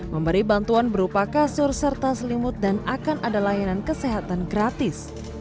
memberi bantuan berupa kasur serta selimut dan akan ada layanan kesehatan gratis